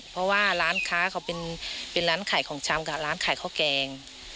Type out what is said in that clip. เพราะว่าร้านค้าเขาเป็นร้านขายของชำกับร้านขายข้าวแกง